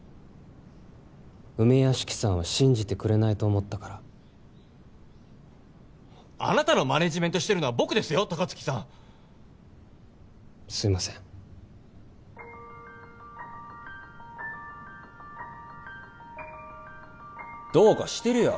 梅屋敷さんは信じてくれないと思ったからあなたのマネージメントしてるのは僕ですよ高槻さんすいませんどうかしてるよ